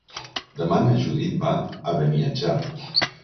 Demà na Judit va a Beniatjar.